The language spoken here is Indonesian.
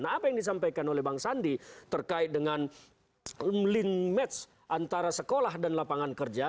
nah apa yang disampaikan oleh bang sandi terkait dengan lint match antara sekolah dan lapangan kerja